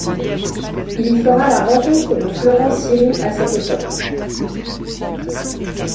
Il y fera la rencontre de Florent Siri à cette époque.